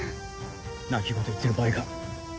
泣き言言ってる場合か。